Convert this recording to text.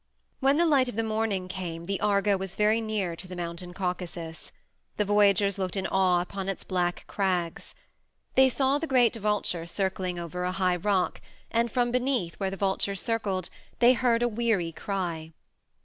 When the light of the morning came the Argo was very near to the Mountain Caucasus. The voyagers looked in awe upon its black crags. They saw the great vulture circling over a high rock, and from beneath where the vulture circled they heard a weary cry.